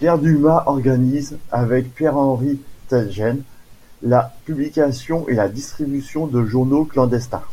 Pierre Dumas organise avec Pierre-Henri Teitgen, la publication et la distribution de journaux clandestins.